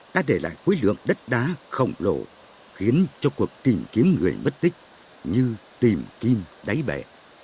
đã để lại quý lượng đất đá khổng lồ khiến cho cuộc tìm kiếm người bất tích như tìm kim đáy bẻ